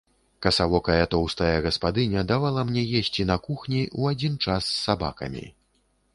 Касавокая тоўстая гаспадыня давала мне есці на кухні ў адзін час з сабакамі.